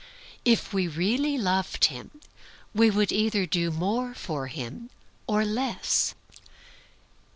If we really loved him we would either do more for him, or less.